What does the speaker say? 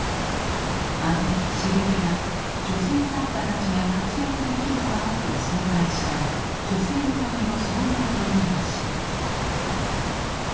姉時雨が女性作家たちが活躍できる場をと創刊した女性のための総合文芸誌。